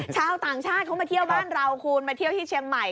ชาวต่างชาติเขามาเที่ยวบ้านเราคุณมาเที่ยวที่เชียงใหม่